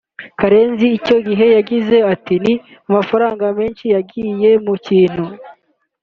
Karenzi icyo gihe yagize ati “Ni amafaranga menshi yagiye mu kintu